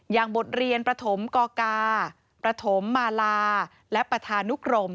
บทเรียนประถมกกาประถมมาลาและประธานุกรม